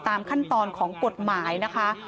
ตามขั้นตอนของกฎหมายนะคะ